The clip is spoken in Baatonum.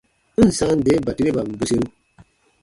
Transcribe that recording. N ǹ sãa nde batureban bweseru.